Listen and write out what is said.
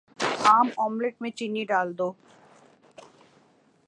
عام آملیٹ میں چینی ڈال دو